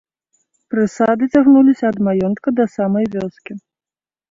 Прысады цягнуліся ад маёнтка да самай вёскі.